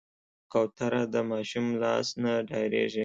کوتره د ماشوم لاس نه ډارېږي.